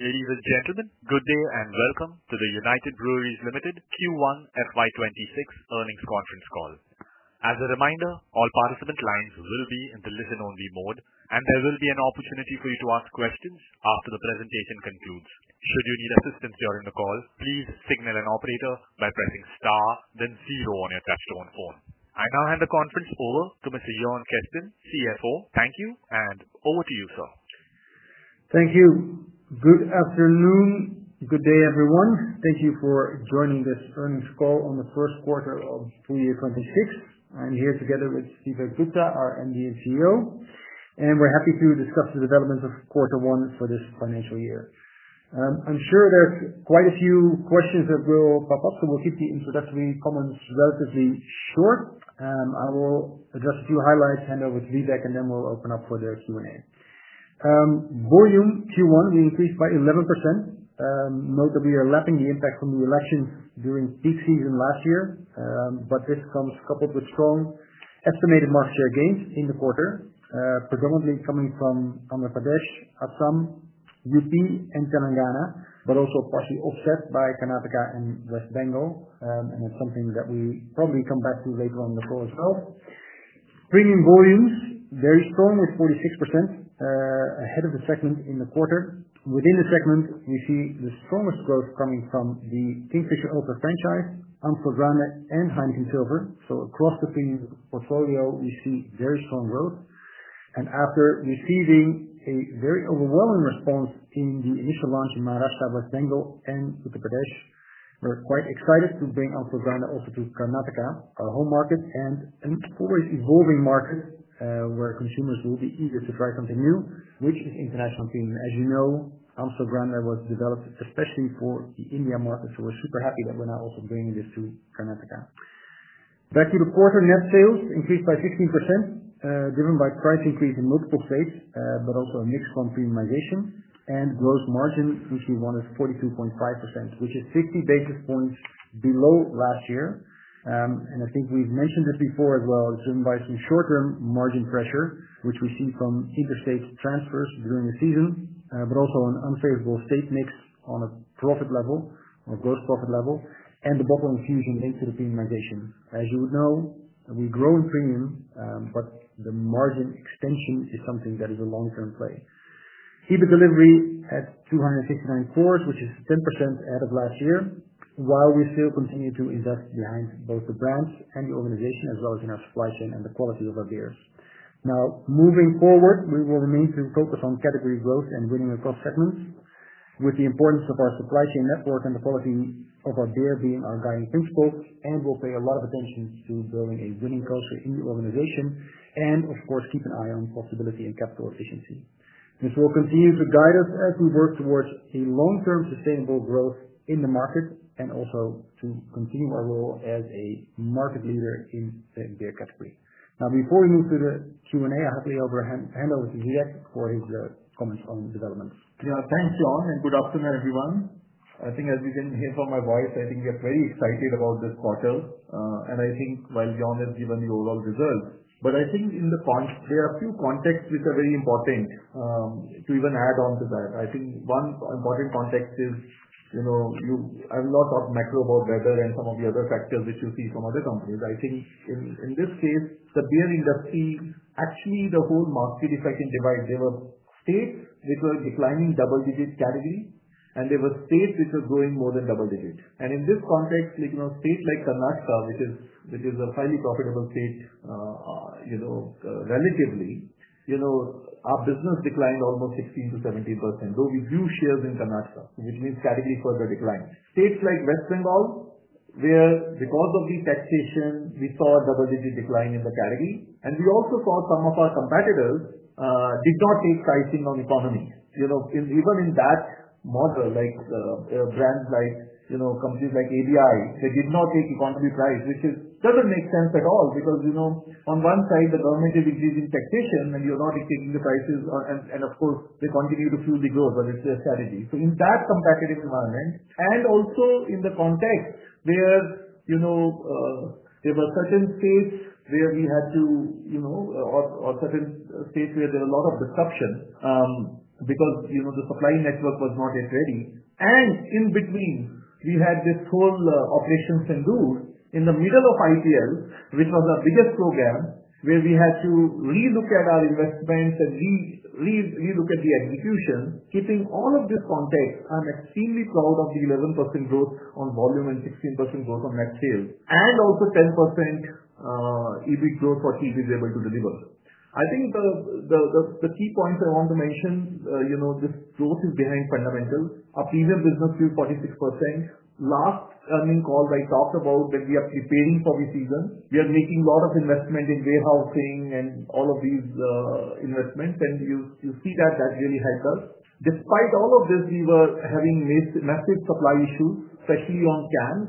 Ladies and gentlemen, good day, and welcome to the United Breweries Limited Q1 FY 'twenty six Earnings Conference Call. As a reminder, all participant lines will be in the listen only mode, and there will be an opportunity for you to ask questions after the presentation concludes. I now hand the conference over to Mr. Johan Kesten, CFO. Thank you, and over to you, sir. Thank you. Good afternoon. Good day, everyone. Thank you for joining this earnings call on the first quarter of twenty twenty six. I'm here together with Steven Gupta, our MD and CEO, and we're happy to discuss the developments of quarter one for this financial year. I'm sure there's quite a few questions that will pop so we'll keep the introductory comments relatively short. I will address a few highlights, hand over to Vivek, and then we'll open up for the q and a. Volume, q one, we increased by 11%. Note that we are lapping the impact from the elections during peak season last year, but this comes coupled with strong estimated market share gains in the quarter, predominantly coming from Bangladesh, Assam, UP and Telangana, but also partially offset by Karnataka and West Bengal, and it's something that we probably come back to later on the call as well. Premium volumes, very strong at 46% ahead of the segment in the quarter. Within the segment, we see the strongest growth coming from the Kingfisher Ultra franchise, Anglo Grande, and Heineken Silver. So across the premium portfolio, we see very strong growth. And after receiving a very overwhelming response in the initial launch in Maharashtra West Bengal and Uttar Pradesh, we're quite excited to bring our Proganda also to Karnataka, our home market and an always evolving market where consumers will be eager to try something new, which is international premium. As you know, Amso brand that was developed especially for the India market, so we're super happy that we're now also bringing this to Carnataka. Back to the quarter, net sales increased by 16%, driven by price increase in multiple states, but also a mix from premiumization and gross margin, which we wanted 42.5%, which is 50 basis points below last year. And I think we've mentioned this before as well, driven by some short term margin pressure, which we see from interstate transfers during the season, but also an unfavorable state mix on a profit level or gross profit level and the bottle infusion linked to the premiumization. As you would know, we grow in premium, but the margin extension is something that is a long term play. EBIT delivery at 269 cores, which is 10% out of last year, while we still continue to invest behind both the brands and the organization as well as in our supply chain and the quality of our beers. Now moving forward, we will remain to focus on category growth and winning across segments with the importance of our supply chain network and the quality of our beer being our guiding principle, and we'll pay a lot of attention to building a winning culture in the organization and, of course, keep an eye on profitability and capital efficiency. This will continue to guide us as we work towards a long term sustainable growth in the market and also to continue our role as a market leader in the beer category. Now before we move to the Q and A, I'll hand over to Gidec for his comments on developments. Yes. Thanks, John, and good afternoon, everyone. I think as you can hear from my voice, I think we are very excited about this quarter. And I think while John has given the overall results, but I think in the context, there are a few contexts which are very important to even add on to that. I think one important context is, you know, you I'm not talking macro about weather and some of the other factors which you see from other companies. I think in in this case, the beer industry, actually the whole market effect in divide, there were states which were declining double digit category and there were states which were growing more than double digit. And in this context, states like Karnataka, which is a highly profitable state relatively, our business declined almost 16% to 17%. Though we grew shares in Karnataka, which means category further declined. States like West Bengal, where because of the taxation, we saw double digit decline in the category. And we also saw some of our competitors did not take pricing on economy. Even in that model, brands like companies like ABI, they did not take the concrete price, which is doesn't make sense at all because on one side, the government is increasing taxation and you're not taking the prices and of course, they continue to fuel the growth, but it's their strategy. So in that competitive environment and also in the context where there were certain states where we had to or certain states where there were a lot of disruption because the supply network was not yet ready. And in between, we had this whole operations in do in the middle of ITL, which was our biggest program, where we had to relook at our investments and relook at the execution. Keeping all of this context, I'm extremely proud of the 11% growth on volume and 16% growth on net sales and also 10% EBIT growth what TV is able to deliver. I think the key points I want to mention, this growth is behind fundamentals. Our premium business grew 46%. Last earnings call, I talked about that we are preparing for the season. We are making lot of investment in warehousing and all of these investments, and you see that, that really helped us. Despite all of this, we were having massive supply issues, especially on cans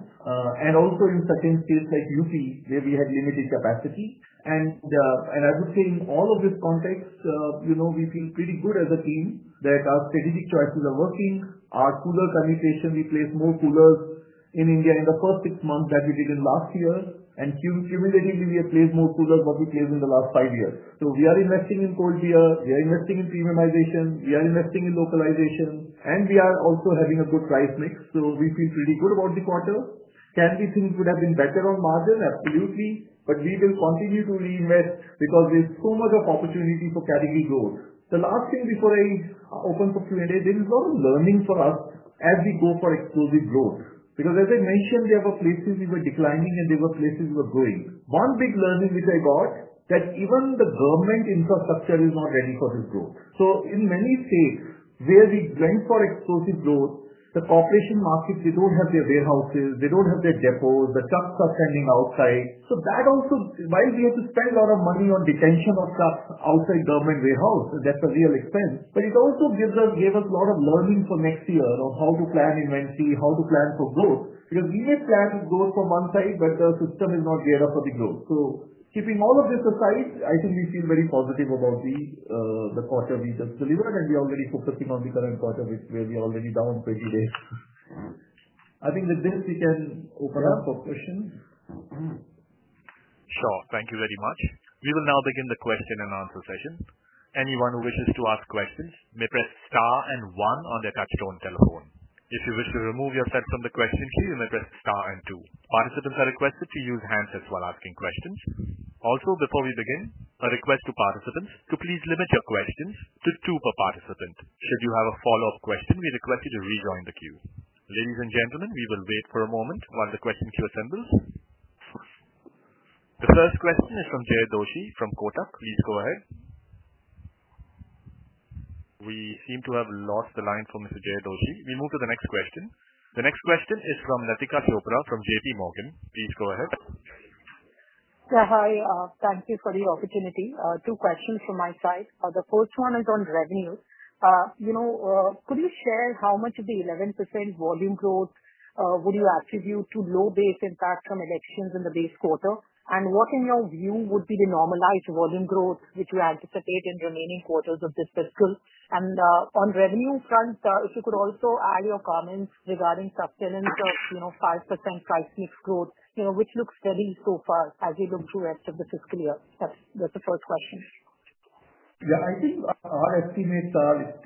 and also in certain states like UP where we had limited capacity. And I would say in all of this context, we feel pretty good as a team that our strategic choices are working. Our cooler communication, we placed more coolers in India in the first six months that we did in last year. And cumulatively, we have placed more coolers what we placed in the last five years. So we are investing in cold beer, we are investing in premiumization, we are investing in localization and we are also having a good price mix. So we feel pretty good about the quarter. Can we think it would have been better on margin? Absolutely. But we will continue to reinvest because there's so much of opportunity for category growth. The last thing before I open for Q and A, there is a lot of learning for us as we go for exclusive growth. Because as I mentioned, there were places we were declining and there were places we were growing. One big learning which I got that even the government infrastructure is not ready for this growth. So in many states, where we went for exclusive growth, the corporation market, they don't have their warehouses, they don't have their depots, the trucks are standing outside. So that also, while we have to spend a lot of money on detention of trucks outside government warehouse, that's a real expense, but it also gives us, gave us a lot of learning for next year on how to plan inventory, how to plan for growth. Because we may plan to grow from one side, but the system is not geared up for the growth. So keeping all of this aside, I think we feel very positive about the quarter we just delivered and we're already focusing on the current quarter, which we're already down twenty days. I think with this, we can open up for questions. Sure. Thank you very much. We will now begin the question and answer session. Call. Ladies and gentlemen, we will wait for a moment while the question queue assembles. The first question is from Jayadoshi from Kotak. Please go ahead. We seem to have lost the line for Mr. Jayadoshi. We move to the next question. The next question is from Natika Chopra from JPMorgan. Please go ahead. Yeah. Hi. Thank you for the opportunity. Two questions from my side. The first one is on revenue. You know, could you share how much of the 11% volume growth would you attribute to low base impact from elections in the base quarter? And what in your view would be the normalized volume growth, which you anticipate in the remaining quarters of this fiscal? And on revenue front, sir, if you could also add your comments regarding sustenance of 5% price mix growth, which looks steady so far as we look through rest of the fiscal year? That's the first question. Yes. I think our estimates are 22.5%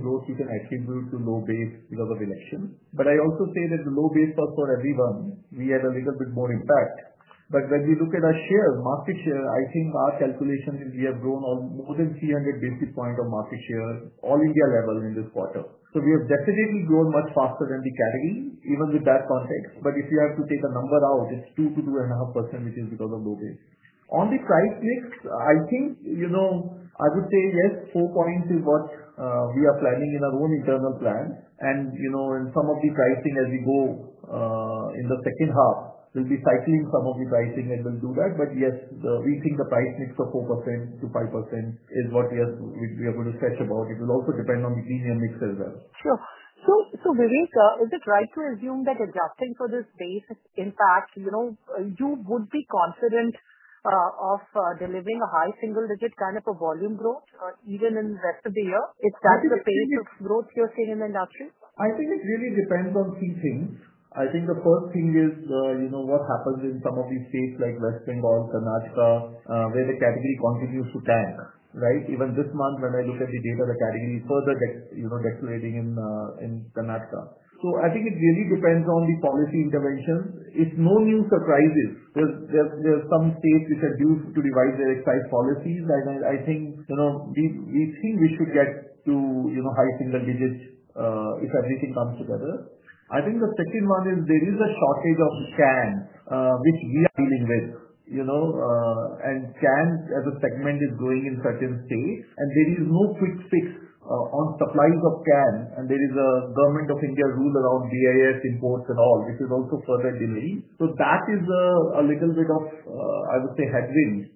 growth you can attribute to low base level of elections. But I also say that the low base for everyone, we had a little bit more impact. But when we look at our share, market share, I think our calculation is we have grown more than 300 basis points of market share all India level in this quarter. So we have definitely grown much faster than the category even with that context. But if you have to take a number out, it's 2% to 2.5, which is because of low base. On the price mix, I think, I would say, yes, four points is what we are planning in our own internal plan And in some of the pricing as we go in the second half, we'll be cycling some of the pricing and then do that. But yes, we think the price mix of 4% to 5% is what we are are going to stretch about. It will also depend on the premium mix as well. Sure. So so, Vivek, is it right to assume that adjusting for this base impact, you know, you would be confident of delivering a high single digit kind of a volume growth even in rest of the year? Is that the pace of growth you're seeing in the industry? I think it really depends on few things. I think the first thing is, you know, what happens in some of these states like West Bengal, Karnataka, where the category continues to tank. Right? Even this month, when I look at the data, the category further gets you know, deteriorating in in Karnataka. So I think it really depends on the policy intervention. It's no new surprises. There are some states which are due to revise their excise policies. I think we think we should get to high single digits if everything comes together. I think the second one is there is a shortage of can, which we are dealing with. And can as a segment is growing in certain states, and there is no quick fix on supplies of can. And there is a government of India rule around DIS imports and all, which is also further delivery. So that is a little bit of, I would say, headwind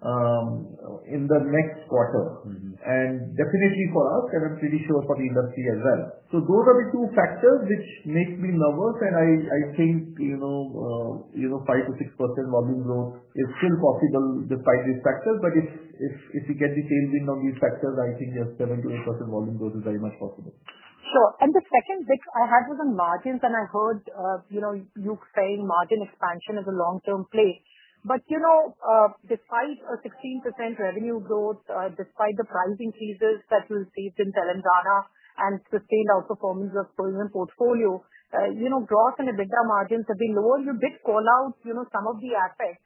in the next quarter. And definitely for us, and I'm pretty sure for the industry as well. So those are the two factors which make me nervous, and I I think, you know, you know, five to 6% volume growth is still possible despite these factors. But if if if you get the tail wind on these factors, I think, yes, seven to 8% volume growth is very much possible. Sure. And the second, Vic, I had was on margins, and I heard, you know, you saying margin expansion is a long term play. But, you know, despite a 16% revenue growth, despite the price increases that we received in Telangana and sustained outperformance of premium portfolio, you know, gross and EBITDA margins have been lower. You did call out, you know, some of the assets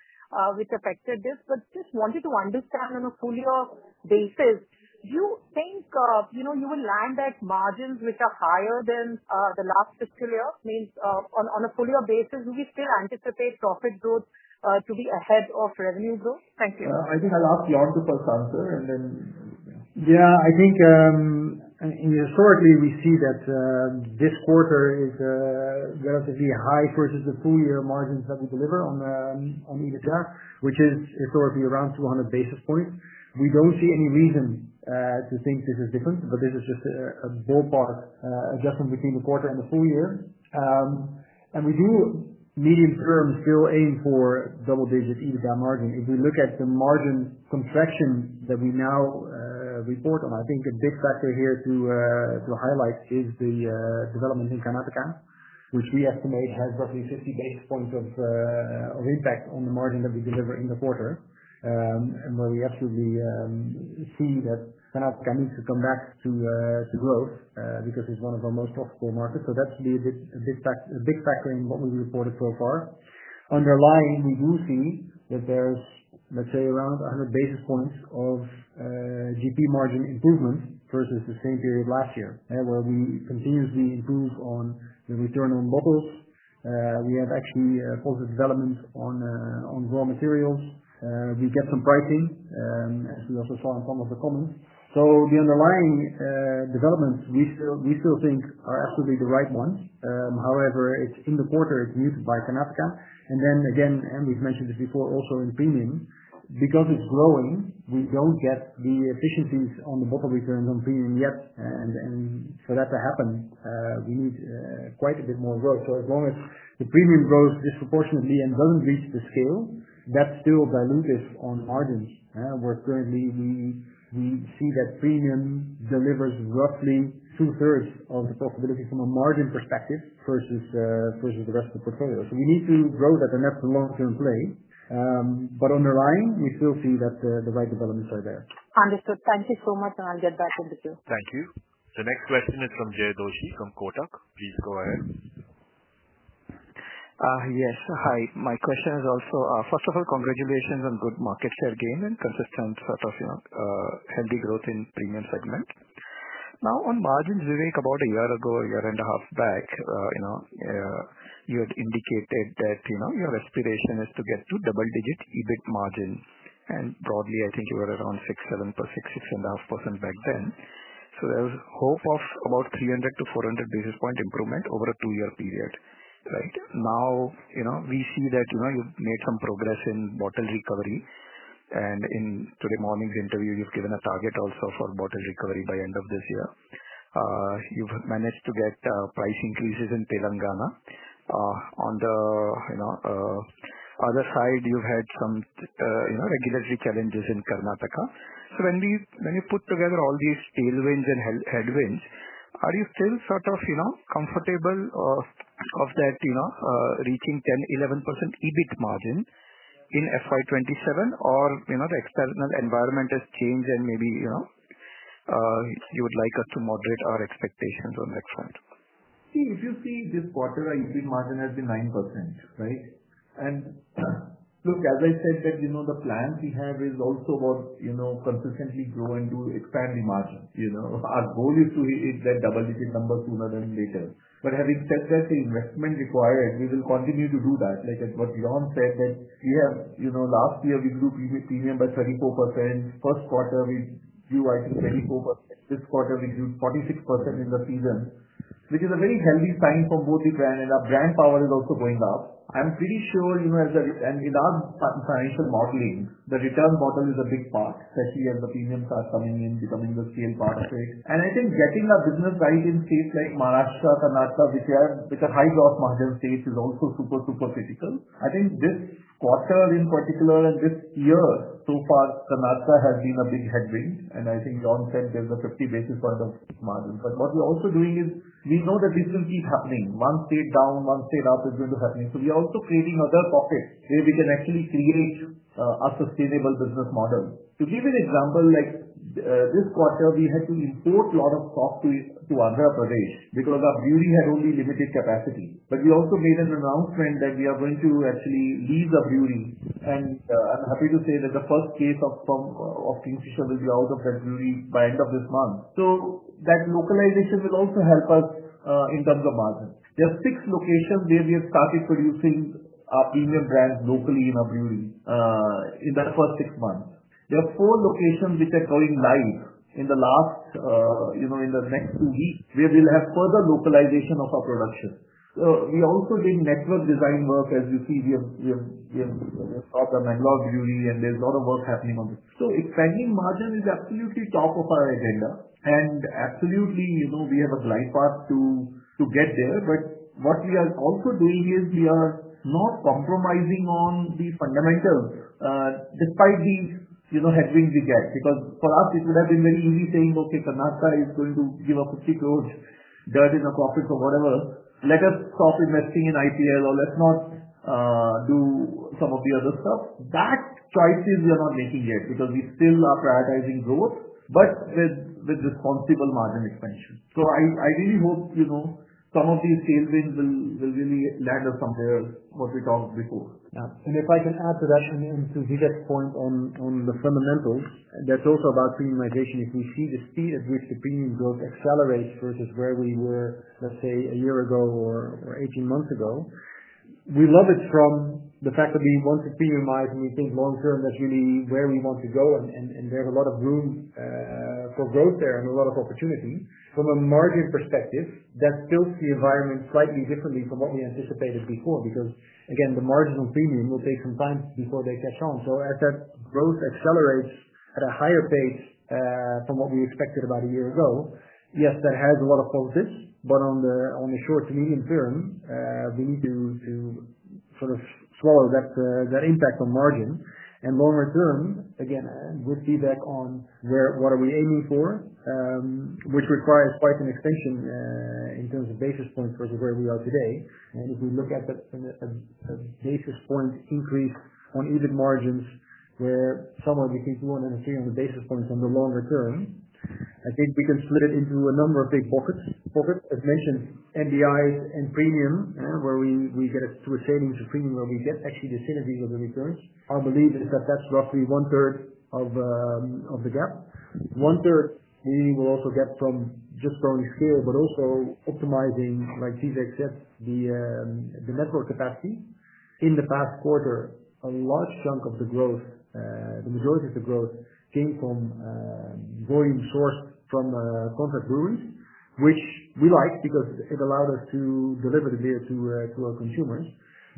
which affected this. But just wanted to understand on a full year basis, do you think, you know, you will land at margins which are higher than the last fiscal year? Means on on a full year basis, do we still anticipate profit growth to be ahead of revenue growth? Thank you. I think I'll ask Jan to first answer and then Yeah. I think and and historically, we see that this quarter is relatively high versus the full year margins that we deliver on on EBITDA, which is historically around 200 basis points. We don't see any reason to think this is different, but this is just a ballpark adjustment between the quarter and the full year. And we do medium term still aim for double digit EBITDA margin. If we look at the margin contraction that we now report on, I think a big factor here to highlight is the development in Canada, which we estimate has roughly 50 basis points of impact on the margin that we delivered in the quarter and where we absolutely see that that's coming to come back to growth because it's one of our most profitable markets. So that's a big factor in what we reported so far. Underlying, we do see that there's, let's say, around 100 basis points of GP margin improvement versus the same period last year, where we continuously improve on the return on models. We have actually posted developments on raw materials. We get some pricing as we also saw in some of the comments. So the underlying developments, we still think are absolutely the right ones. However, it's in the quarter, it's used by Knavka. And then again, and we've mentioned this before, also in premium, because it's growing, we don't get the efficiencies on the bottom return on premium yet. And and for that to happen, we need quite a bit more growth. So as long as the premium grows disproportionately and doesn't reach the scale, that's still dilutive on margins. We're currently we we see that premium delivers roughly two thirds of the profitability from a margin perspective versus versus the rest of the portfolio. So we need to grow that enough to long term play. But underlying, we still see that the the right developments are there. Understood. Thank you so much, and I'll get back in the queue. Thank you. The next question is from Jay Doshi from Kotak. Please go ahead. Yes. Hi. My question is also, first of all, congratulations on good market share gain and consistent sort of, you know, healthy growth in premium segment. Now on margins, Vivek, about a year ago, year and a half back, you know, you had indicated that your aspiration is to get to double digit EBIT margin. And broadly, I think you were around 6%, 76.5% back then. So there was hope of about 300 to 400 basis point improvement over a two year period, right? Now, you know, we see that, you know, you've made some progress in bottle recovery. And in today morning's interview, you've given a target also for bottle recovery by end of this year. You've managed to get price increases in Telangana. On the, you know, other side, you've had some, you know, regulatory challenges in Karnataka. So when we, when you put together all these tailwinds and headwinds, are you still sort of, you know, comfortable of that, you know, reaching 11% EBIT margin in FY '27 or, you know, the external environment has changed and maybe, you know, you would like us to moderate our expectations on that front? See, if you see this quarter, our EBIT margin has been 9%, right? And look, as I said that the plan we have is also about consistently growing to expand the margin. Our goal is to hit that double digit number sooner than later. But having said that the investment required, we will continue to do that. Like what Dion said that we have last year, we grew previous premium by 34%. First quarter, we grew, I think, 24%. This quarter, we grew 46% in the season, which is a very healthy sign for both the brand and our brand power is also going up. I'm pretty sure, you know, as a and in our financial modeling, the return model is a big part, especially as the premiums are coming in, becoming the scale part of it. And I think getting our business right in states like Maharashtra, Karnataka, which are high gross margin states is also super, super critical. I think this quarter in particular, this year, so far Karnataka has been a big headwind. And I think John said there's a 50 basis points But what we're also doing is we know that this will keep happening. One down, one state up is going to happen. So we're also creating other pockets where we can actually create a sustainable business model. To give you an example, like this quarter, we had to import lot of stock to Andhra Pradesh because our beauty had only limited capacity. But we also made an announcement that we are going to actually leave the beauty. And I'm happy to say that the first case Kingfisher will be out of February by end of this month. So that localization will also help us in terms of margin. There are six locations where we have started producing our premium brands locally in our beauty in that first six months. There are four locations which are going live in the last in the next two weeks, where we'll have further localization of our production. We're also doing network design work. As you see, we have have lot of work happening So expanding margin is absolutely top of our agenda. And absolutely, we have a glide path to get there. But what we are also doing is we are not compromising on the fundamentals despite the headwinds we get because for us, it would have been very easy saying, okay, Kannasta is going to give us 50 crores, that is a profit or whatever, let us stop investing in IPL or let's not do some of the other stuff. That choices we are not making yet because we still are prioritizing growth, but with with responsible margin expansion. So I I really hope, you know, some of these tailwinds will will really land us somewhere what we talked before. And if I can add to that, Shneur, and to Vivek's point on the fundamentals, that's also about premiumization. If we see the speed at which the premium growth accelerates versus where we were, let's say, a year ago or eighteen months ago, We love it from the fact that we want to premiumize and we think long term that's really where we want to go and there's a lot of room for growth there and a lot of opportunity. From a margin perspective, that builds the environment slightly differently from what we anticipated before because, again, the marginal premium will take some time before they catch on. So as that growth accelerates at a higher pace from what we expected about a year ago, yes, that has a lot of focus. But on the on the short to medium term, we need to to sort of swallow that that impact on margin. And longer term, again, would be back on where what are we aiming for, which requires quite an extension in terms of basis points versus where we are today. And if we look at the the basis point increase on EBIT margins where somewhere between two hundred and three hundred basis points on the longer term, I think we can split it into a number of big pockets As mentioned, MBIs and premium where we get to a savings of premium where we get actually the synergies of the returns. Our belief is that that's roughly onethree of the gap. Onethree we will also get from just growing scale, but also optimizing, like Tidex said, network capacity. In the past quarter, a large chunk of the growth, the majority of the growth came from volume sourced from contract breweries, which we like because it allowed us to deliver the beer to consumers.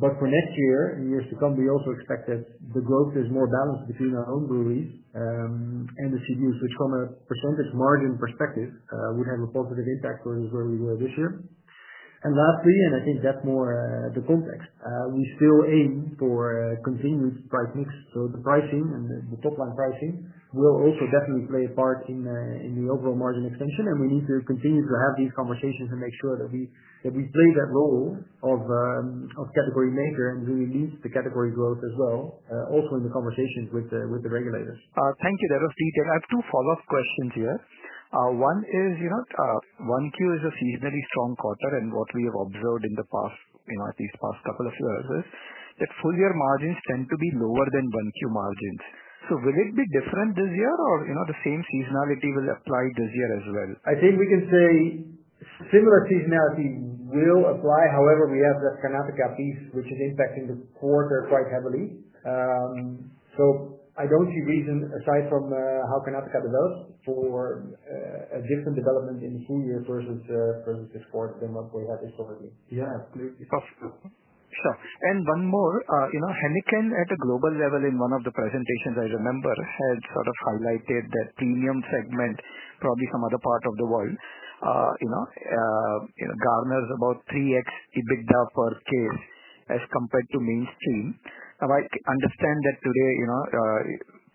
But for next year and years to come, we also expect that the growth is more balanced between our own breweries and the CDs, which from a percentage margin perspective would have a positive impact versus where we were this year. And lastly, and I think that's more the context, we still aim for continued price mix. So the pricing and the the top line pricing will also definitely play a part in the in the overall margin expansion, and we need to continue to have these conversations to make sure that we that we play that role of of category maker and really lead the category growth as well also in the conversations with the with the regulators. Thank you, Deriv. And I have two follow-up questions here. One is, you know, January is a seasonally strong quarter and what we have observed in the past, you know, at least past couple of years is that full year margins tend to be lower than one q margins. So will it be different this year or, you know, the same seasonality will apply this year as well? I think we can say similar seasonality will apply. However, we have that Karnataka piece, which is impacting the quarter quite heavily. So I don't see reason aside from how Karnataka develops for a different development in full year versus versus this quarter than what we have historically. Yeah. Absolutely. Of course. Sure. And one more, you know, Heineken at a global level in one of the presentations I remember had sort of highlighted that premium segment, probably some other part of the world, you know, you know, garners about three x EBITDA per case as compared to mainstream. I understand that today, you know,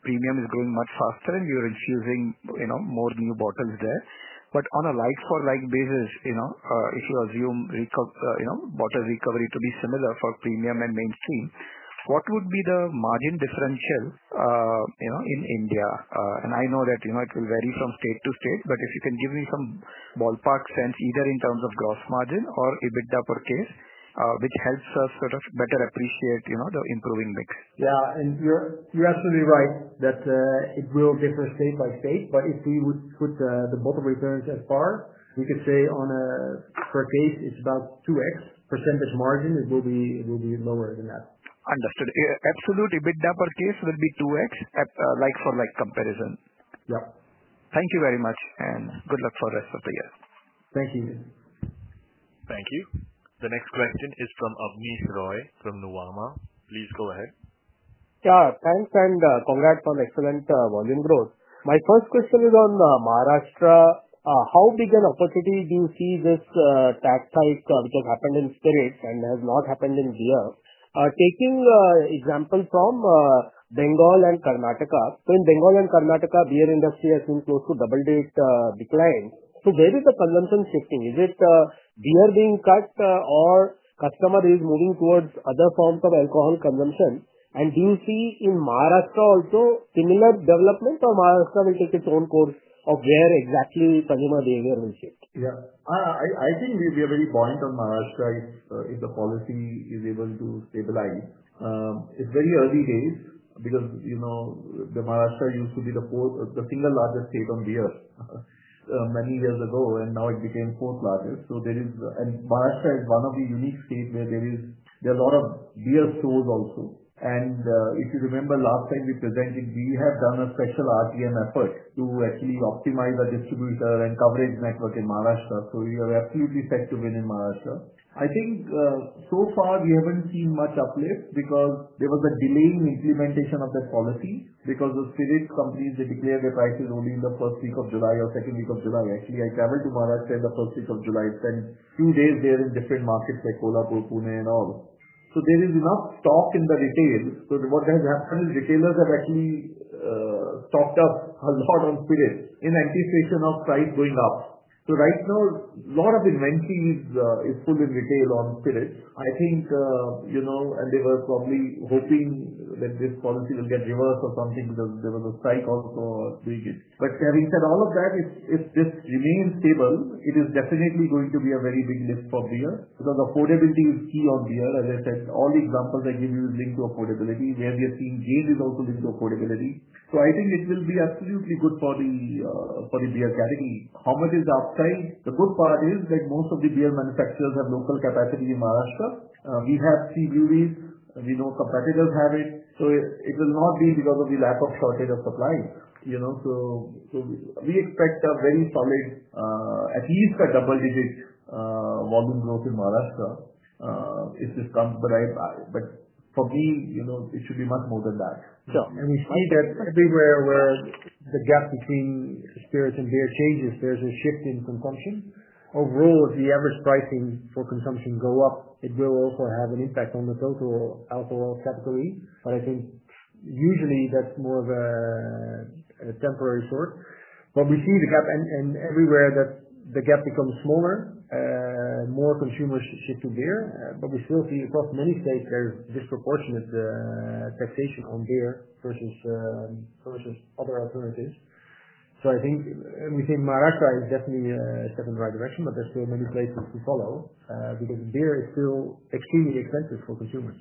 premium is growing much faster and you're infusing, you know, more new bottles there. But on a like for like basis, if you assume bottle recovery to be similar for premium and mainstream, what would be the margin differential in India? And I know that it will vary from state to state, but if you can give me some ballpark sense either in terms of gross margin or EBITDA per case, which helps us sort of better appreciate, you know, the improving mix. Yeah. And you're you're absolutely right that it will differ state by state. But if we would put the the bottom returns at par, we could say on a per case, it's about two x percentage margin. It will be it will be lower than that. Understood. Absolute EBITDA per case would be two x at like for like comparison. Yep. Thank you very much, and good luck for rest of the year. Thank you. You. The next question is from Abhish Roy from Nuwama. Please go ahead. Yeah. Thanks, and congrats on excellent volume growth. My first question is on Maharashtra. How big an opportunity do you see this tax hike, which has happened in spirits and has not happened in beer? Taking example from Bengal and Karnataka. So in Bengal and Karnataka, beer industry has been close to double digit decline. So where is the consumption shifting? Is it beer being cut or customer is moving towards other forms of alcohol consumption? And do you see in Maharashtra also similar development or Maharashtra will take its own course of where exactly consumer behavior will shift? Yeah. I I think we'll be very point on Maharashtra if if the policy is able to stabilize. It's very early days because, you know, the Maharashtra used to be the fourth the single largest state on the earth many years ago, and now it became fourth largest. So there is and Maharashtra is one of the unique states where there is there are a lot of beer stores also. And if you remember last time we presented, we have done a special RTM effort to actually optimize our distributor and coverage network in Maharashtra. So we are absolutely set to win in Maharashtra. I think so far, we haven't seen much uplift because there was a delay in implementation of that policy because the Spirit companies declared their prices only in the July or July. Actually, I travel to Maharashtra in the July, and two days there in different markets like Kola, Kurpune and all. So there is enough stock in the retail. So what has happened is retailers have actually stocked up a lot on spirits in anticipation of price going up. So right now, lot of inventory is fully retail on spirits. I think and they were probably hoping that this policy will get reversed or something because there was a strike also doing it. But having said all of that, if this remains stable, it is definitely going to be a very big lift for Veer because affordability is key on Veer. As I said, all the examples I gave you is linked to affordability. Where we are seeing gain is also linked to affordability. So I think it will be absolutely good for the beer category. How much is the upside? The good part is that most of the beer manufacturers have local capacity in Maharashtra. We have three beauties. We know competitors have it. So it will not be because of the lack of shortage of supply. So we expect a very solid, at least a double digit volume growth in Maharashtra if this comes. But I but for me, you know, it should be much more than that. Yeah. And we see that everywhere where the gap between spirits and beer changes, there's a shift in consumption. Overall, if the average pricing for consumption go up, it will also have an impact on the total alcohol category. But I think, usually, that's more of a temporary sort. But we see the gap and and everywhere that the gap becomes smaller, more consumers shift to beer, but we still see across many states there's disproportionate taxation on beer versus versus other alternatives. So I think and we think Maharashtra is definitely step in the right direction, but there's still many places to follow because beer is still extremely expensive for consumers.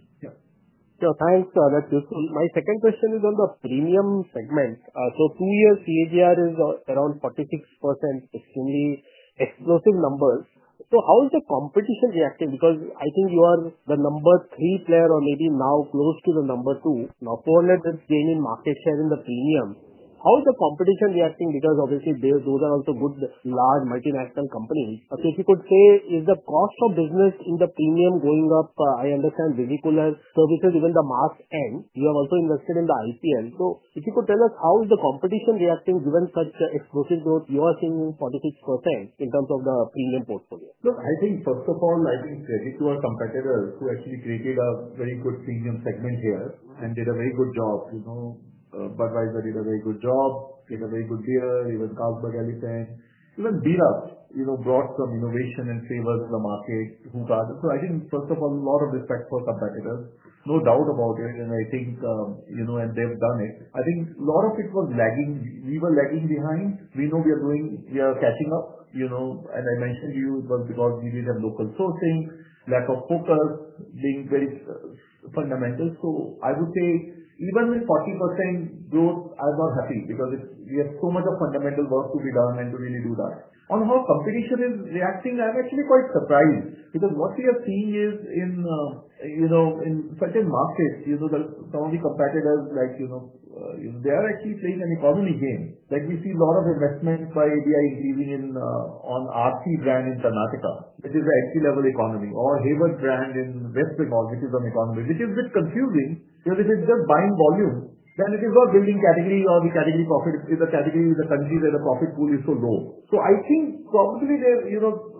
Yeah. So thanks, sir. That's useful. My second question is on the premium segment. So two years CAGR is around 46%, extremely explosive numbers. So how is the competition reacting? Because I think you are the number three player or maybe now close to the number two. Now 400 is gaining market share in the premium. How is the competition reacting? Because, obviously, they those are also good large multinational companies. Okay. If you could say, is the cost of business in the premium going up? I understand, so because even the mask end, you have also invested in the IPL. So if you could tell us how is the competition reacting given such a explosive growth, you are seeing 46% in terms of the premium portfolio. Look, I think, first of all, I think credit to our competitors who actually created a very good premium segment here and did a very good job. You know, Budweiser did a very good job, did a very good beer, even Carlsberg, Even Diras brought some innovation and favors the market. I think, first of all, a lot of respect for competitors. No doubt about it. And I think and they've done it. I think a lot of it was lagging. We were lagging behind. We know we are doing we are catching up. As I mentioned to you, it was because we didn't have local sourcing, lack of focus being very fundamental. So I would say even with 40% growth, I was happy because it's we have so much of fundamental work to be done and to really do that. On how competition is reacting, I'm actually quite surprised because what we are seeing is in, you know, in certain markets, you know, the only competitors like they are actually seeing an economy gain. Like we see lot of investments by ADI leaving in on RC brand in Karnataka, which is an entry level economy or Hebert brand in West because it is an economy, which is a bit confusing because it is just buying volume. Then it is not building category or the category profit, it's category, the country where the profit pool is so low. So I think probably there, you know,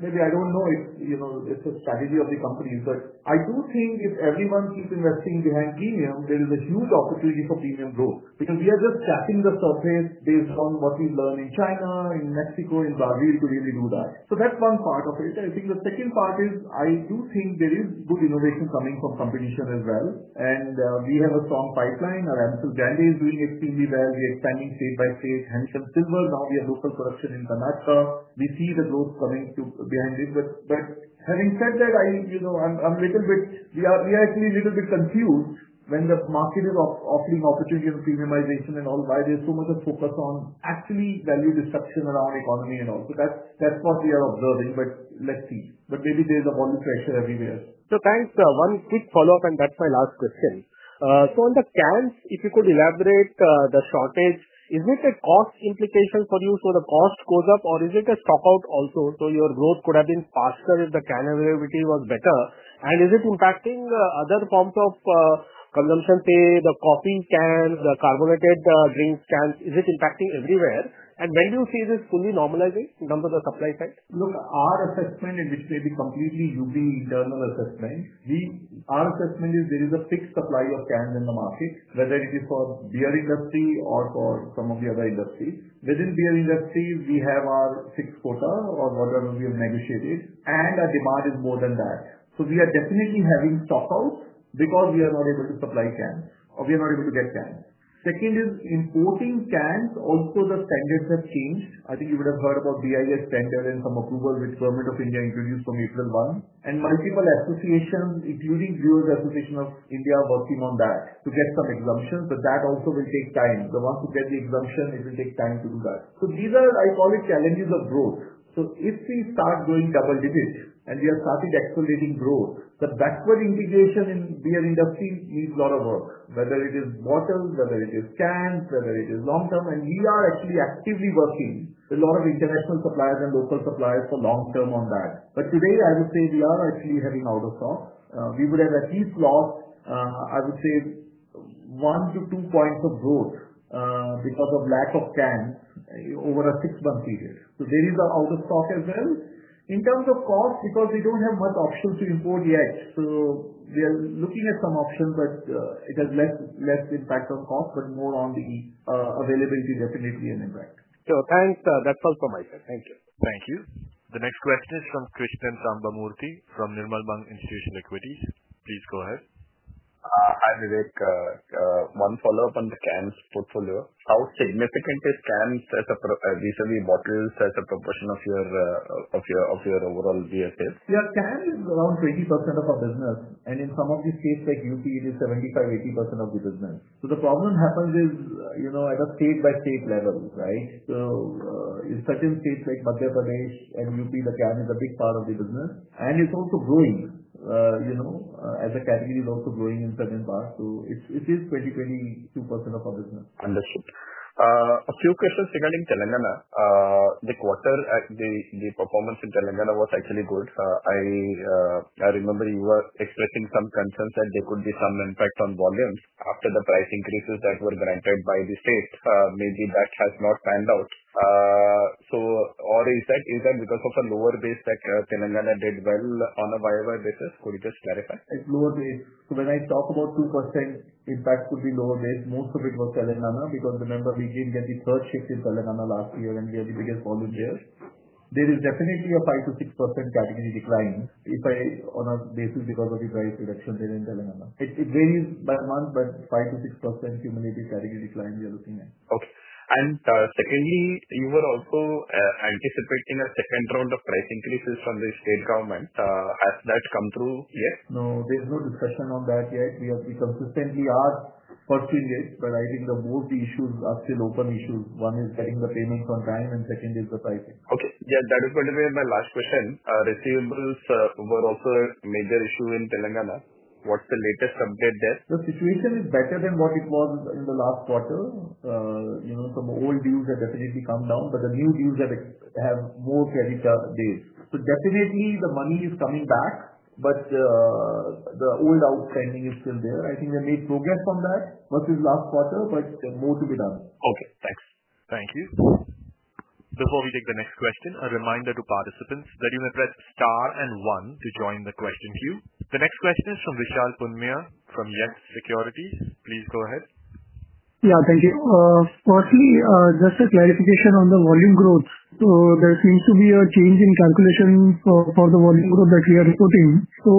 maybe I don't know if, you know, it's a strategy of the company. But I do think if everyone keeps investing behind premium, there is a huge opportunity for premium growth because we are just tapping the surface based on what we've learned in China, in Mexico, in Brazil to really do that. So that's one part of it. And I think the second part is I do think there is good innovation coming from competition as well. And we have a strong pipeline. Our Ampul Gandy is doing extremely well. We are expanding state by state, handsome, now we have local production in Kanata. We see the growth coming to behind it. But having said that, I'm little bit we are actually a little bit confused when the market is offering opportunity of premiumization and all, why there's so much of focus on actually value disruption around economy and all. So that's what we are observing, but let's see. But maybe there's a volume pressure everywhere. So thanks, sir. One quick follow-up, and that's my last question. So on the cans, if you could elaborate the shortage, is this a cost implication for you so the cost goes up? Or is it a stop out also? So your growth could have been faster if the can availability was better. And is it impacting other forms of consumption pay, the coffee cans, the carbonated drink cans? Is it impacting everywhere? And when do you see this fully normalizing in terms of supply Look, our assessment in this may be completely you be internal assessment. We our assessment is there is a fixed supply of cans in the market, whether it is for beer industry or for some of the other industries. Within beer industry, we have our fixed quota or whatever we have negotiated and our demand is more than that. So we are definitely having stock outs because we are not able to supply cans or we are not able to get cans. Second is importing cans, also the standards have changed. I think you would have heard about BIS tender and some approvals which permit of India introduced from April 1. And multiple associations, including Bureau's Association of India working on that to get some exemptions, but that also will take time. So once you get the exemption, it will take time to do that. So these are, I call it, challenges of growth. So if we start growing double digit and we have started accelerating growth, the backward integration in beer industry needs lot of work, whether it is bottles, whether it is cans, whether it is long term. And we are actually actively working with lot of international suppliers and local suppliers for long term on that. But today, I would say we are actually heading out of stock. We would have at least lost, I would say, one to two points of growth because of lack of cans over a six month period. So there is a out of stock as well. In terms of cost, because we don't have much option to import yet, so we are looking at some options, it has less impact on cost, but more on the availability definitely an So thanks, sir. That's all for my side. Thank you. Thank you. The next question is from Krishnan Sambamurthy from Nirmal Bank Institution Equities. Please go ahead. Hi, Vivek. One follow-up on the cans portfolio. How significant is cans as a vis a vis bottles as a proportion of your overall VSS? Yes, cans is around 20% of our business. And in some of the states like UP, it is 75%, 80% of the business. So the problem happens is at a state by state level, right? So in certain states like Madhya Pradesh and UP, the CAM is a big part of the business. And it's also growing as a category is also growing in certain parts. So it is 2022% of our business. Understood. A few questions regarding Telangana. The quarter, the performance in Telangana was actually good. I remember you were expressing some concerns that there could be some impact on volumes after the price increases that were granted by the state, maybe that has not panned out. Or is because of a lower base like Telenor did well on a Y o Y basis, could you just clarify? It's lower base. So when I talk about 2% impact could be lower grade, most of it was Telenana because remember, we did get the third shift in Telenana last year and we had the biggest volume there. There is definitely a 5% to 6% category decline if I on a basis because of the price reduction there in the. It varies by month, but five to 6% cumulative category decline we are looking at. Okay. And secondly, you were also anticipating a second round of price increases from the state government? Has that come through yet? No, there's no discussion on that yet. We have consistently asked for two days, but I think the both the issues are still open issues. One is getting the payments on time and second is the pricing. Okay. Yes, that is going to be my last question. Receivables were also a major issue in Telangana. What's the latest update there? The situation is better than what it was in the last quarter. Some old deals have definitely come down, but the new deals have more credit days. So definitely, the money is coming back, but the old outstanding is still there. I think they made progress on that versus last quarter, but more to be done. Okay. Thanks. Thank you. Before we take the next question, a reminder to participants that you have pressed star and one to join the question queue. The next question is from Vishal Punmir from Yext Securities. Please go ahead. Yeah. Thank you. Firstly, just a clarification on the volume growth. So there seems to be a change in calculation for for the volume growth that we are reporting. So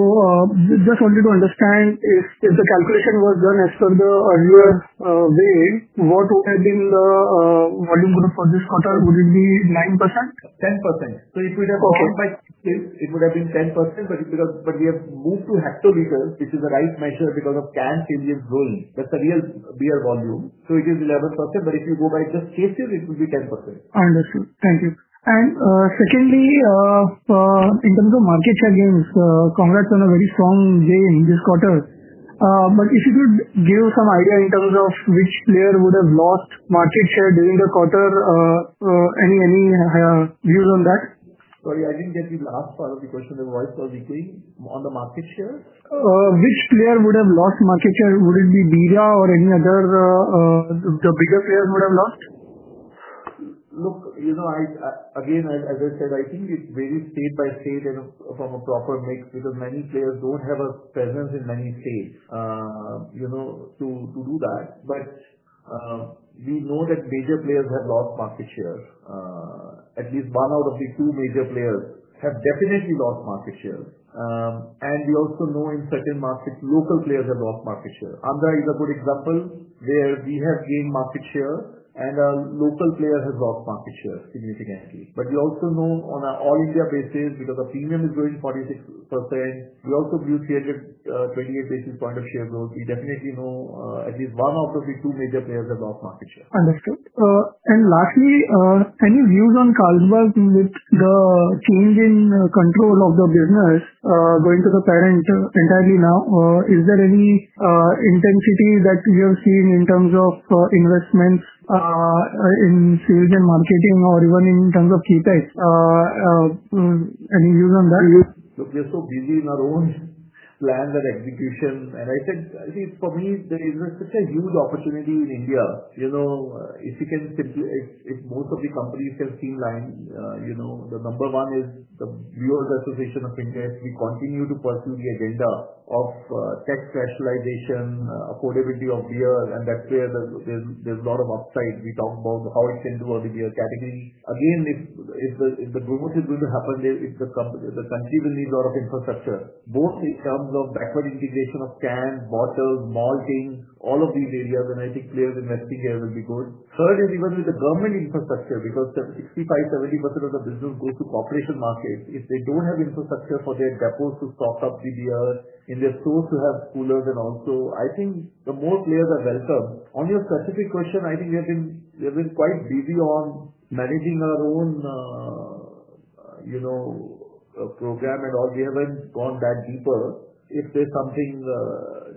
just wanted to understand if if the calculation was done as per the earlier way, what would have been the volume growth for this quarter? Would it be 910%. So if we have it would have been 10%, but it would have but we have moved to hectoliter, which is the right measure because of can still be growing. That's a real beer volume. So it is 11%, but if you go by just cases, it will be 10%. Understood. Thank you. And secondly, in terms of market share gains, congrats on a very strong gain this quarter. But if you could give some idea in terms of which player would have lost market share during the quarter, any any views on that? Sorry. I didn't get the last part of the question. The voice was weak on the market share. Which player would have lost market share? Would it be media or any other the bigger players would have lost? Look, you know, I again, as I said, I think it's really state by state in a from a proper mix because many players don't have a presence in many states to do that. But we know that major players have lost market share. At least one out of the two major players have definitely lost market share. And we also know in certain markets, local players have lost market share. Andhra is a good example where we have gained market share and our local players have lost market share significantly. But we also know on an all India basis because the premium is growing 46%, we also do see a 28 basis point of share growth. We definitely know at least one of the two major players have lost market share. Understood. And lastly, any views on Carlsbad with the change in control of the business going to the parent entirely now, is there any intensity that you have seen in terms of investments in sales and marketing or even in terms of key types? Any views on that? Look, we are so busy in our own land and execution. And I think, see, for me, there is such a huge opportunity in India. You know, if you can simply if if most of the companies have seen line, you know, the number one is the viewer's association of interest, we continue to pursue the agenda of tech rationalization, affordability of beer and that's where there's a lot of upside. We talk about how it tends to work in beer category. Again, the government is going to happen, the country will need a lot of infrastructure, both in terms of backward integration of cans, bottles, maltings, all of these areas and I think players investing here will be good. Third is even with the government infrastructure because 65%, 70% of the business goes to corporation market. If they don't have infrastructure for their depots to stock up TDRs and they're sourced to have coolers and also, I think the more players are welcome. On your specific question, I think we have quite been busy on managing our own program and all we haven't gone that deeper if there's something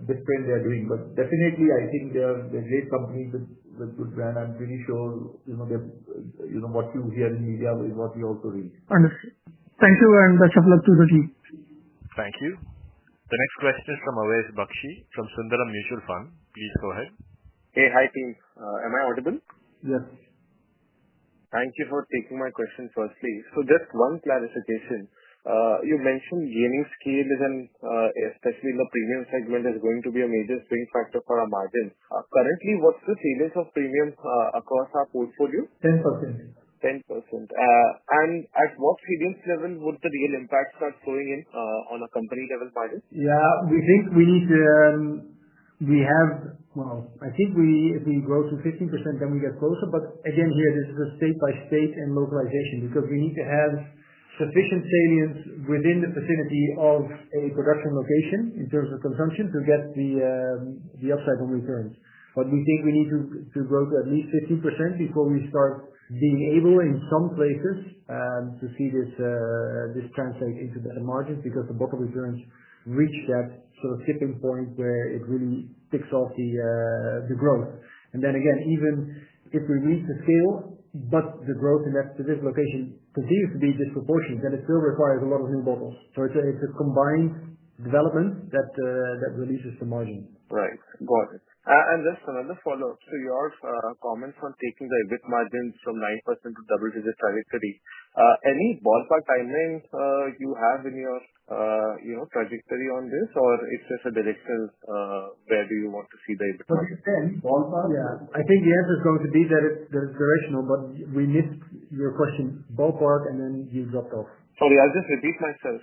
different they're doing. But definitely, I think they're great companies with good brand. I'm pretty sure, you know, that you know, what you hear in media is what you also read. Understood. Thank you, and best of luck to the team. Thank you. The next question is from from Sundaram Mutual Fund. Please go ahead. Hey. Hi, team. Am I audible? Yes. Thank you for taking my question firstly. So just one clarification. You mentioned gaining scale is an especially in the premium segment is going to be a major swing factor for our margin. Currently, what's the savings of premium across our portfolio? 10%. 10%. And at what savings level would the real impact start flowing in on a company level margin? Yeah. We think we need we have well, I think we we grow to 15%, then we get closer. But, again, here, this is a state by state and localization because we need to have sufficient savings within the vicinity of a production location in terms of consumption to get the the upside on returns. But we think we need to to grow at least 50% before we start being able in some places to see this this translate into better margins because the book of returns reach that sort of tipping point where it really picks off the growth. And then again, even if we reach the scale, but the growth in that the dislocation continues to be disproportionate, then it still requires a lot of new bottles. So it's a it's a combined development that that releases the margin. Right. Got it. And just another follow-up. So your comments on taking the EBIT margins from 9% to double digit trajectory, any ballpark timing you have in your, you know, trajectory on this? Or it's just a direction where do you want to see the I understand. Ballpark? Yeah. I think the answer is going to be that it's that it's directional, but we missed your question. Ballpark, and then you dropped off. Sorry. I'll just repeat myself.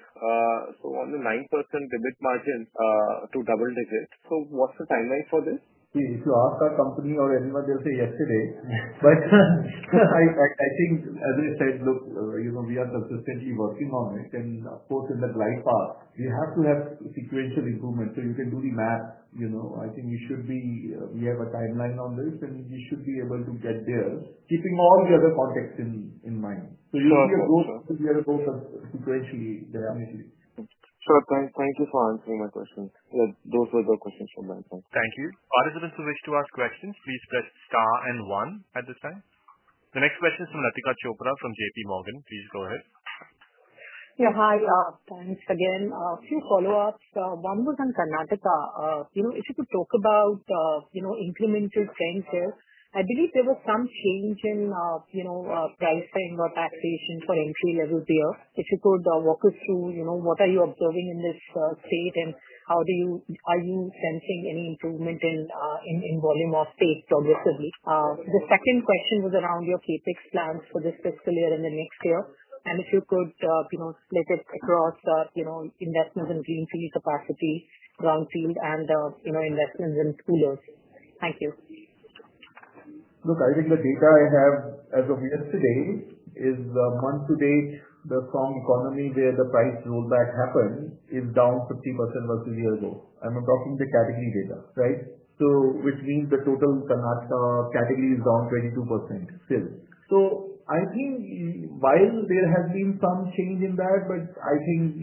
So on the 9% EBIT margin to double digit, so what's the time line for this? So after company or anybody will say yesterday, but I think as I said, look, we are consistently working on it. And of course, in the glide path, we have to have sequential improvement. So you can do the math. You know, I think you should be we have a timeline on this, and you should be able to get there, keeping all the other context in in mind. You'll be able to sequentially, dynamically. Sure. Thank thank you for answering my question. Yeah. Those were the questions from my side. Thank you. Participants who wish to ask questions, please press star and one at this time. The next question is from Natika Chopra from JPMorgan. Please go ahead. Yeah. Hi. Thanks again. A few follow ups. One was on Karnataka. You know, if you could talk about, you know, implemented things here. I believe there was some change in, you know, pricing or taxation for entry level there. If you could walk us through, you know, what are you observing in this state, and how do you are you sensing any improvement in in in volume of state progressively? The second question was around your CapEx plans for this fiscal year and the next year. And if you could, you know, split it across, you know, investments in greenfield capacity, brownfield and investments in schoolers? Look, I think the data I have as of yesterday is month to date, the strong economy where the price rollback happened is down 50% versus a year ago. I'm talking the category data, right? So which means the total category is down 22% still. So I think while there has been some change in that, I think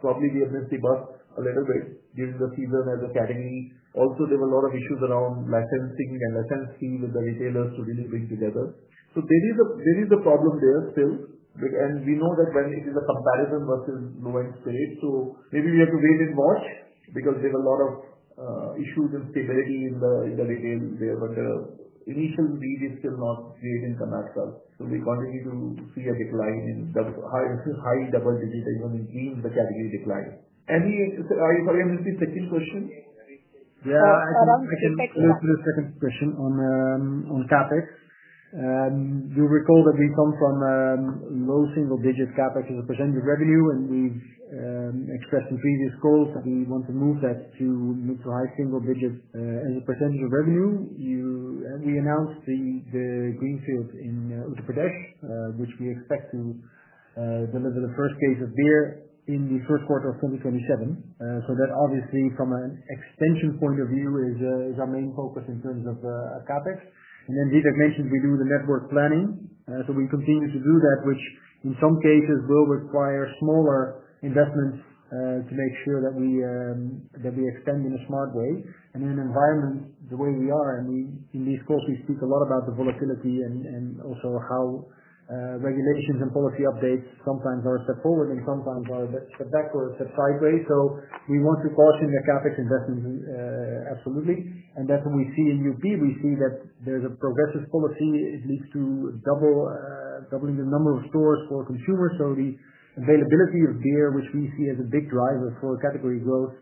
probably we have missed the bus a little bit due to the season as academy. Also, were lot of issues around licensing and licensing with the retailers to really bring together. So there problem is there still, and we know that when it is a comparison versus going straight, so maybe we have to wait in March because there's a lot of issues and stability in retail there, but the initial need is still not made in commercial. So we continue to see a decline in the high this is high double digit even in the decline. And the are you sorry? I missed the second question. Yeah. I can I can move to the second question on on CapEx? You recall that we come from low single digit CapEx as a percentage of revenue, and we've expressed in previous calls that we want to move that to mid to high single digit as a percentage of revenue. You we announced the the greenfield in Uttar Pradesh, which we expect to deliver the first case of beer in the first quarter of twenty twenty seven. So that obviously, from an extension point of view, our main focus in terms of CapEx. And then Dietrich mentioned we do the network planning. So we continue to do that, which in some cases will require smaller investments to make sure that we extend in a smart way. And in an environment the way we are and we in these calls, we speak a lot about the volatility and and also how regulations and policy updates sometimes are set forward and sometimes are set back or set sideways. So we want to caution the CapEx investments absolutely. And that's what we see in UP. We see that there's a progressive policy. It leads to doubling the number of stores for consumers. So the availability of beer, which we see as a big driver for category growth,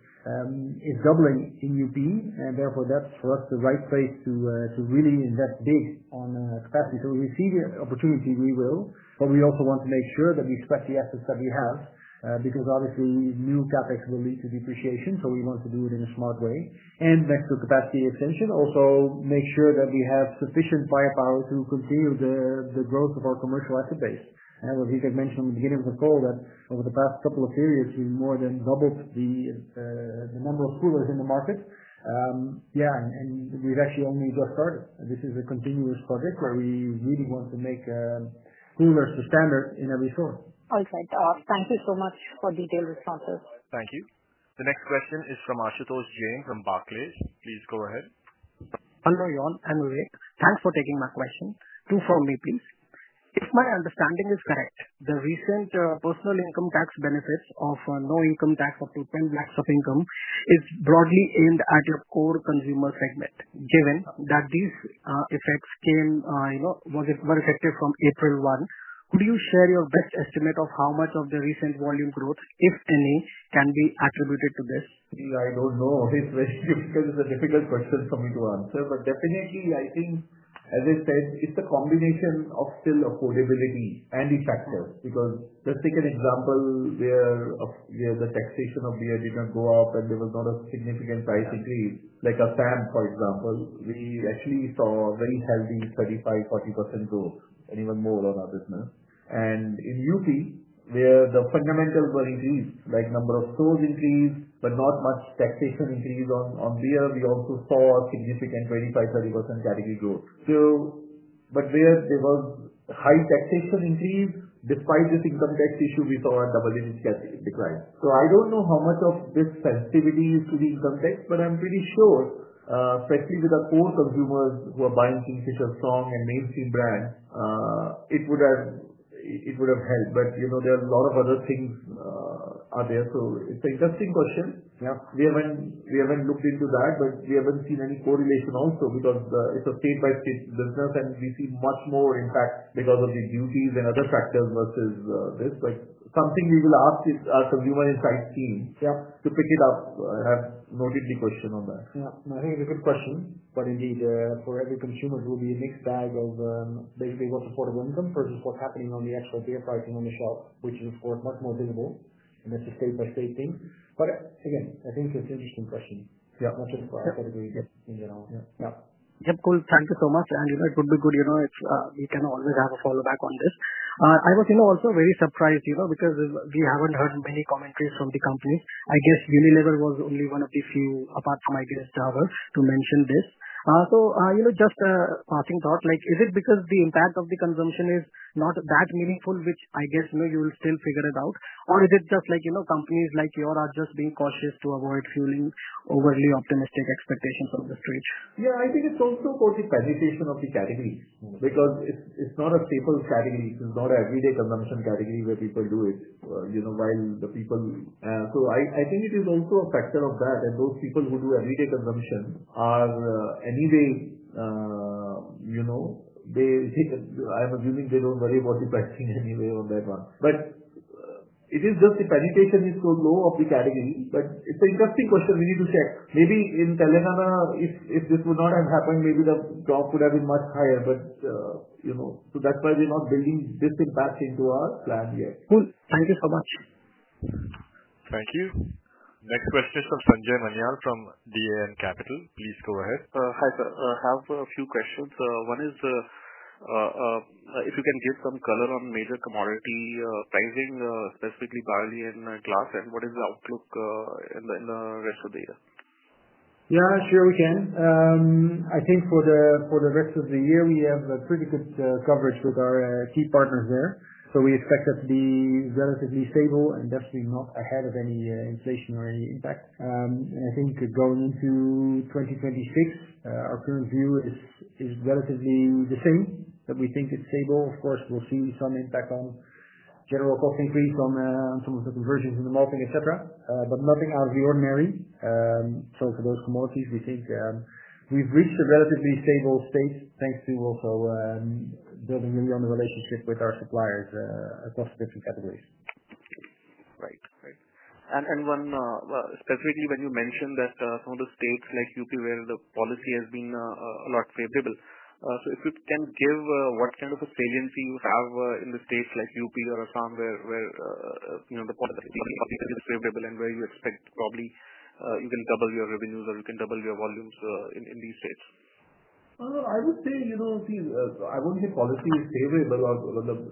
is doubling in UP. And therefore, that's for us the right place to really invest big on capacity. So when we see the opportunity, we will. But we also want to make sure that we expect the assets that we have because, obviously, new CapEx will lead to depreciation. So we want to do it in a smart way. And next to capacity extension, also make sure that we have sufficient firepower to continue the the growth of our commercial asset base. And what we had mentioned in the beginning of the call that over the past couple of periods, we more than doubled the the number of coolers in the market. Yeah. And we've actually only got started. This is a continuous project where we really want to make coolers to standard in every store. Alright. Thank you so much for detailed responses. Thank you. The next question is from Ashutosh Jain from Barclays. Please go ahead. Hello, Jan. I'm Vivek. Thanks for taking my question. Two for me, please. If my understanding is correct, the recent personal income tax benefits of no income tax of $2.10 lakhs of income is broadly aimed at your core consumer segment. Given that these effects came, you know, was it more effective from April 1, Could you share your best estimate of how much of the recent volume growth, if any, can be attributed to this? I don't know. It's very difficult. It's a difficult question for me to answer. But definitely, I think, as I said, it's a combination of still affordability and effector because just take an example where the taxation of beer didn't go up and there was not a significant price increase, like a TAM, for example, we actually saw very healthy 35%, 40% growth and even more on our business. And in UP, where the fundamentals were increased, like number of stores increased, but not much taxation increase on beer. We also saw significant 25%, 30% category growth. So but there was taxation increase despite this income tax issue, we saw a double digit category decline. So I don't know how much of this sensitivity is to the income tax, but I'm pretty sure, especially with the core consumers who are buying Kingfisher song and mainstream brand, it would have helped. But there are a lot of other things out there. So it's an interesting question. We haven't looked into that, but we haven't seen any correlation also because it's a state by state business, and we see much more impact because of the duties and other factors versus this. Something we will ask is our consumer insights team to pick it up. I have noted the question on that. Yep. I think it's a good question. But indeed, for every consumer, it will be a mixed bag of basically what's affordable income versus what's happening on the actual beer pricing on the shelf, which is, of course, much more visible. And that's a state by state thing. But, again, I think it's an interesting question. Yep. Not just for our category. Yep. You know. Yep. Yep. Cool. Thank you so much. And, you know, it would be good, you know, if we can always have a follow back on this. I was, you know, also very surprised, you know, because we haven't heard many commentaries from the company. I guess, Unilever was only one of the few, apart from my greatest job, to mention this. So, you know, just passing thought, like, is it because the impact of the consumption is not that meaningful, which I guess, you you will still figure it out? Or is it just, like, you know, companies like you are just being cautious to avoid feeling overly optimistic expectations on the stage? Yeah. I think it's also for the sanitation of the category because it's it's not a staple category. It's not everyday consumption category where people do it, you know, while the people. So I think it is also a factor of that and those people who do everyday consumption are anyway, they hit, I'm assuming they don't worry about the vaccine anyway on that one. But it is just the penetration is so low of the category, but it's an interesting question we need to check. Maybe in Telenavana, if if this would not have happened, maybe the drop would have been much higher, but, you know, so that's why we're not building this impact into our plan yet. Cool. Thank you so much. Thank you. Next question is from Sanjay Maniar from DAN Capital. Please go ahead. Hi, sir. I have a few questions. One is if you can give some color on major commodity pricing, specifically, barley and glass, and what is the outlook in the in the rest of the year? Yeah. Sure. We can. I think for the for the rest of the year, we have a pretty good coverage with our key partners there. So we expect that to be relatively stable and definitely not ahead of any inflationary impact. And I think going into 2026, our current view is is relatively the same, but we think it's stable. Of course, we'll see some impact on general cost increase on some of the conversions in the molting, etcetera, but nothing out of the ordinary. So for those commodities, we think we've reached a relatively stable state, thanks to also building really on the relationship with our suppliers across different categories. Right. Right. And and one well, specifically, when you mentioned that some of the states like UP where the policy has been a lot favorable. So if you can give what kind of a salience you have in the states like UP or Assam where where, you know, the policy is favorable and where you expect probably you can double your revenues or you can double your volumes in in these states? No, no, I would say, know, see, I wouldn't say policy is favorable or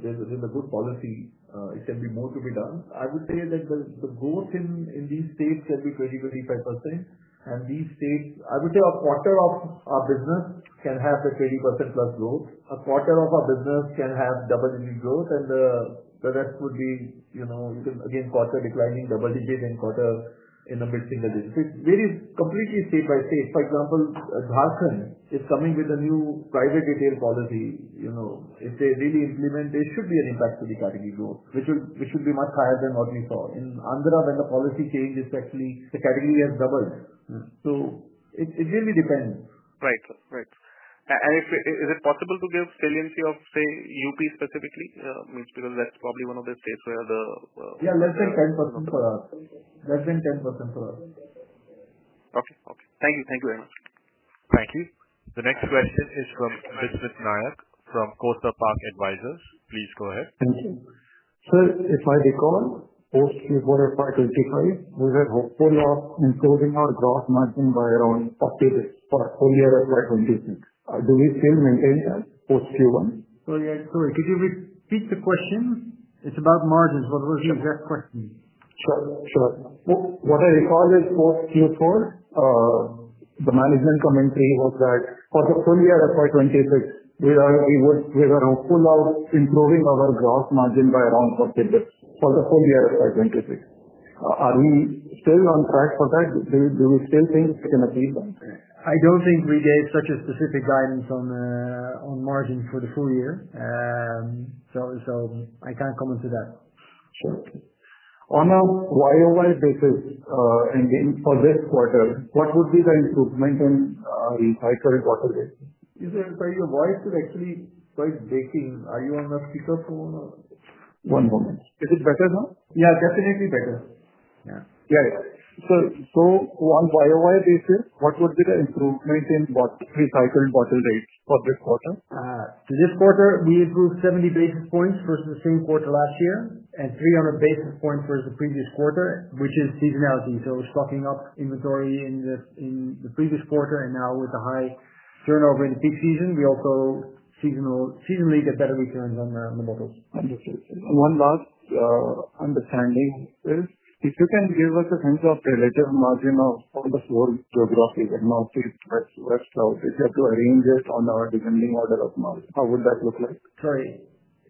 there's a good policy. It can be more to be done. I would say that the growth in these states can be 20%, 25%. And these states, I would say a quarter of our business can have a 30% plus growth. A quarter of our business can have double digit growth and the rest would be, again, declining double digit and quarter in the mid single digits. It's very completely state by state. For example, Dharshan is coming with a new private retail policy. If they really implement, there should be an impact to the category growth, which should be much higher than what we saw. In Andhra, when the policy changes actually, the category has doubled. So it it really depends. Right. Right. And if is it possible to give saliency of, say, UP specifically? I mean, because that's probably one of the states where Less than 10% for us. Less than 10% for us. Okay. Okay. Thank you. Thank you very much. Thank you. The next question is from Prithmet Nayak from Coastal Park Advisors. Please go ahead. Thank you. Sir, if I recall, post q four zero five twenty five, we were hopefully improving our gross margin by around thirty days for a full year of our commitment. Do we still maintain that post q one? Oh, yeah. Sorry. Could you repeat the question? It's about margins. What was the exact question? Sure. Sure. What I recall is post q four, the management commentary was that for the full year FY '26, we are hopeful of improving our gross margin by around 40 bps for the full year FY 'twenty six. Are we still on track for that? Do we still think we can achieve them? I don't think we gave such a specific guidance on margin for the full year. So so I can't comment to that. Sure. A Y o Y basis and then for this quarter, what would be the improvement in the cycle and what is it? Is it so your voice is actually quite breaking. Are you on the speaker phone? Moment. Is it better now? Yeah. Definitely better. Yeah. Yeah. So so on Y o Y basis, what would be the improvement in what recycled bottle rate for this quarter? So this quarter, we improved 70 basis points versus the same quarter last year and 300 basis points versus the previous quarter, which is seasonality. So stocking up inventory in the in the previous quarter and now with the high turnover in the peak season, we also seasonal seasonally get better returns on the on the models. Understood. And one last understanding is if you can give us a sense of relative margin of all the floor geographies and now please rest West South. If you have to arrange it on our descending order of March, how would that look like? Sorry.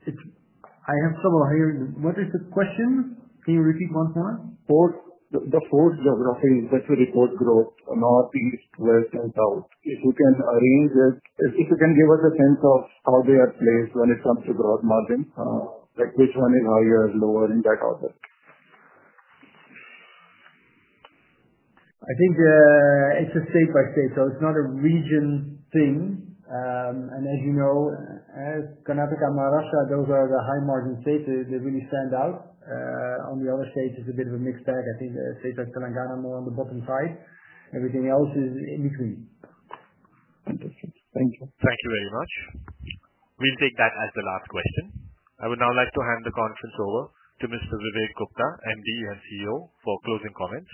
It's I am trouble hearing you. What is the question? Can you repeat one more? Four the the four geographies that we report growth, Northeast, West, and South. If you can arrange it if if you can give us a sense of how they are placed when it comes to gross margin, like, which one is higher, lower in that order? I think it's a state by state. So it's not a region thing. And as you know, Karnataka and Maharashtra, those are the high margin states that really stand out. On the other states, it's a bit of a mixed bag. I think states like Karnataka are more on the bottom side. Everything else is in between. Thank you. Thank you very much. We'll take that as the last question. I would now like to hand the conference over to Mr. Vivek Gupta, MD and CEO, for closing comments.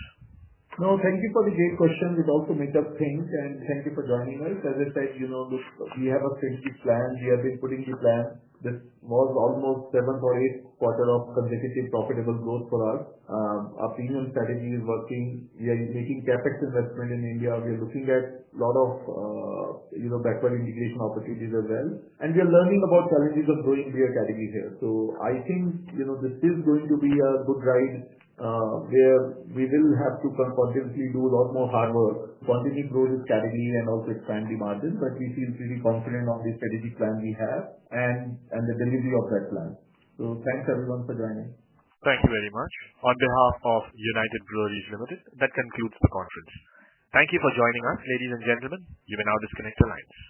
No, thank you for the great questions. We've also made up things and thank you for joining us. As I said, we have a strategic plan. We have been putting new plans. This was almost seventh or eighth quarter of consecutive profitable growth for us. Our premium strategy is working. We are making CapEx investment in India. We are looking at lot of backward integration opportunities as well. And we are learning about challenges of growing beer categories here. So I think this is going to be a good ride where we will have to continuously do a lot more hard work, continue growing the category and also expand the margin, but we feel pretty confident of the strategic plan we have and the delivery of that plan. So thanks everyone for joining. Thank you very much. On behalf of United Breweries Limited, that concludes the conference. Thank you for joining us. Ladies and gentlemen, you may now disconnect your lines.